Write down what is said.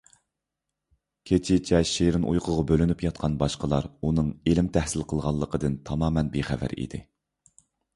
كېچىچە شېرىن ئۇيقۇغا بۆلىنىپ ياتقان باشقىلار ئۇنىڭ ئىلىم تەھسىل قىلغانلىقىدىن تامامەن بىخەۋەر ئىدى.